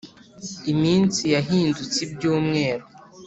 iminsi yahindutse ibyumweru